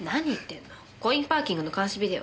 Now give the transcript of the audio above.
コインパーキングの監視ビデオ。